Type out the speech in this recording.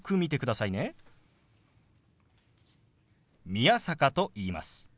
宮坂と言います。